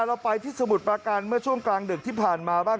เราไปที่สมุทรประการเมื่อช่วงกลางดึกที่ผ่านมาบ้าง